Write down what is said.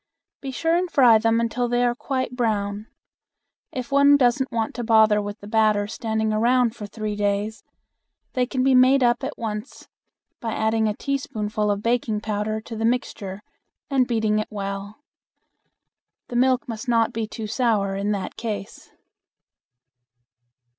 Be sure and fry them until they are quite brown. If one doesn't want to bother with the batter standing around for three days, they can be made up at once by adding a teaspoonful of baking powder to the mixture and beating it well. The milk must not be too sour in that case.